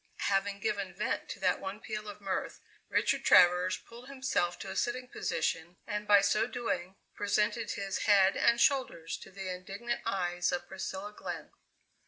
Having given vent to that one peal of mirth, Richard Travers pulled himself to a sitting position, and, by so doing, presented his head and shoulders to the indignant eyes of Priscilla Glenn.